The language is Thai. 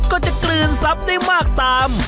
กลืนทรัพย์ได้มากตาม